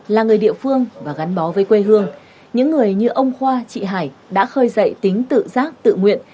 là người địa phương và gắn bó với quê hương những người như ông khoa chị hải đã khơi dậy tính tự giác tự nguyện